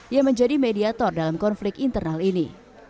yang menjadi mediator dalam konflik internal ini